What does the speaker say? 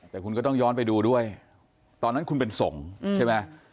แต่คุณก็ต้องย้อนไปดูด้วยตอนนั้นคุณเป็นสงฆ์ใช่ไหม